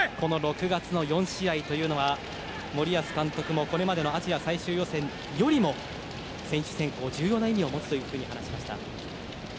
６月の４試合というのは森保監督もこれまでのアジア最終予選より選手選考で重要な意味を持つと話しました。